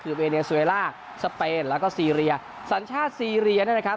คือเวเนซูเอล่าสเปนแล้วก็ซีเรียสัญชาติซีเรียเนี่ยนะครับ